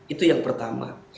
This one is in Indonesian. itu yang pertama